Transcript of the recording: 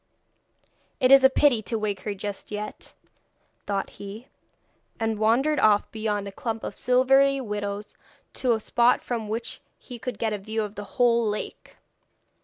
'It is a pity to wake her just yet,' thought he, and wandered off beyond a clump of silvery willows to a spot from which he could get a view of the whole lake.